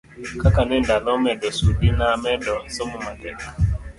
kaka ne ndalo omedo sudi namedo somo matek